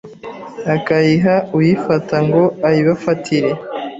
akayiha uyifata ngo ayibafatire.